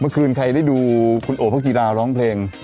เมื่อคืนใครได้ดูคุณโอบพระกีฎาร้องเพลง